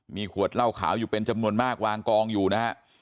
มีขวดเหล้าขาวอยู่เป็นจำนวนมากวางกองอยู่นะฮะ